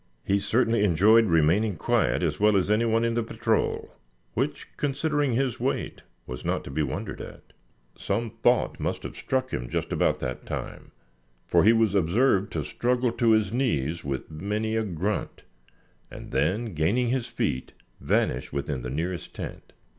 He certainly enjoyed remaining quiet as well as any one in the patrol, which, considering his weight, was not to be wondered at. Some thought must have struck him just about that time, for he was observed to struggle to his knees with many a grunt, and then gaining his feet vanish within the nearest tent.